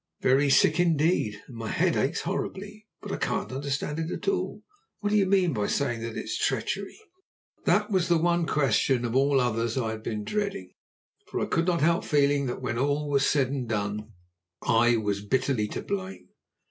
"Very sick indeed, and my head aches horribly. But I can't understand it at all. What do you mean by saying that it is treachery?" This was the one question of all others I had been dreading, for I could not help feeling that when all was said and done I was bitterly to blame.